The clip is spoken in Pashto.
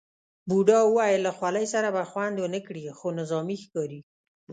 بوډا وویل له خولۍ سره به خوند ونه کړي، خو نظامي ښکاري.